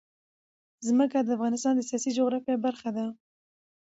ځمکه د افغانستان د سیاسي جغرافیه برخه ده.